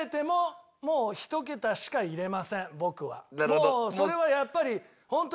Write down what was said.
もうそれはやっぱり本当に。